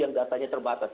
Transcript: yang datanya terbatas